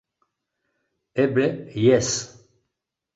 Eble, jes!